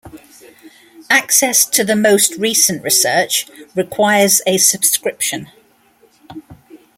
Access to the most recent research requires a subscription.